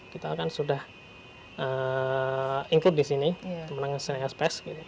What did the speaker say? kita kan sudah include di sini menanggung siaran pers